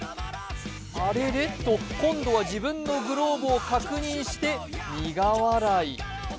あれれ？と今度は自分のグローブを確認して苦笑い。